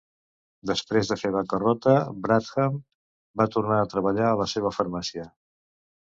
Després de fer bancarrota, Bradham va tornar a treballar a la seva farmàcia.